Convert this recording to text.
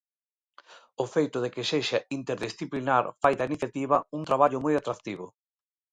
O feito de que sexa interdisciplinar fai da iniciativa un traballo moi atractivo.